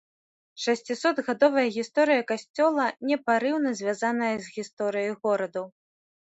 Шасцісотгадовая гісторыя касцёла непарыўна звязаная з гісторыяй гораду.